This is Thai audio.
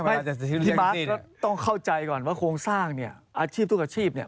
พี่มาร์คก็ต้องเข้าใจก่อนว่าโครงสร้างเนี่ยอาชีพทุกอาชีพเนี่ย